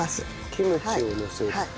キムチをのせる。